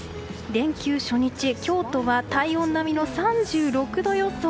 連休初日、京都は体温並みの３６度予想。